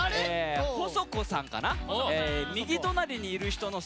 ほそこさんかな。